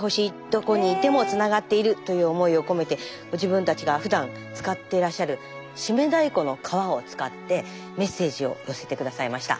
どこにいてもつながっているという思いを込めてご自分たちがふだん使ってらっしゃる締太鼓の革を使ってメッセージを寄せて下さいました。